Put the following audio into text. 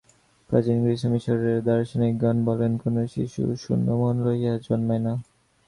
প্রাচীন গ্রীস ও মিশরের দার্শনিকগণ বলেন, কোন শিশু শূন্য মন লইয়া জন্মায় না।